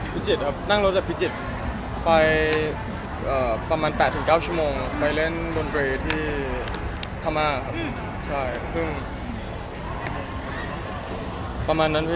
จิตครับนั่งรถจากพิจิตรไปประมาณ๘๙ชั่วโมงไปเล่นดนตรีที่พม่าครับใช่ซึ่งประมาณนั้นพี่